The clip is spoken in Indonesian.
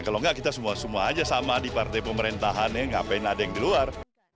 kalau enggak kita semua semua aja sama di partai pemerintahannya ngapain ada yang di luar